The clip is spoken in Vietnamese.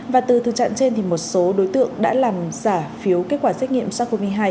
và từ thư chặn trên thì một số đối tượng đã làm giả phiếu kết quả xét nghiệm sars cov hai